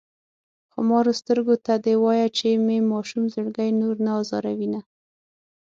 خمارو سترګو ته دې وايه چې مې ماشوم زړګی نور نه ازاروينه شي